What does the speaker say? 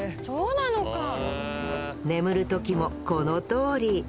眠る時もこのとおり。